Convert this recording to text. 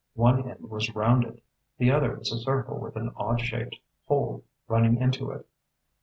One end was rounded. The other was a circle with an odd shaped hole running into it.